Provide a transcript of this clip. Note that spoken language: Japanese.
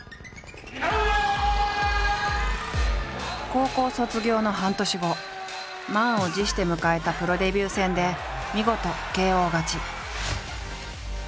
高校卒業の半年後満を持して迎えたプロデビュー戦で見事ＫＯ勝ち。